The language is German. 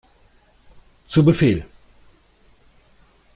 Zu Befehl!